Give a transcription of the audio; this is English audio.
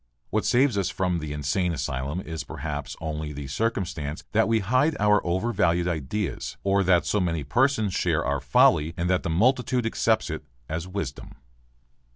What saves us from the insane asylum is perhaps only the circumstance that we hide our overvalued ideas or that so many persons share our folly and that the multitude accepts it as wisdom.